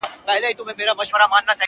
د پسرلیو له سبا به ترانې وي وني -